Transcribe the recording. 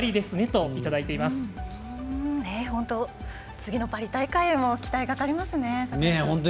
次のパリ大会も期待がかかりますね。